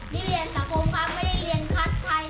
นี่เรียนสังคมพักไม่ได้เรียนพักใคร